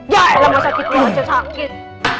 jangan lah masa dikulau aja sakit